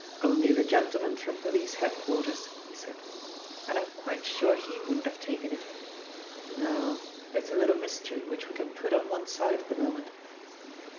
"Only the gentleman from police head quarters," he said, "and I'm quite sure he wouldn't have taken it. No, it is a little mystery which we can put on one side at the moment."